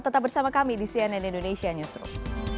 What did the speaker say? tetap bersama kami di cnn indonesia newsroom